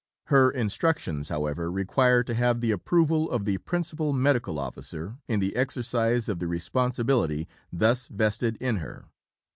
Her instructions, however, require to have the approval of the Principal Medical Officer in the exercise of the responsibility thus vested in her.